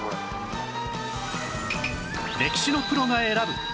歴史のプロが選ぶ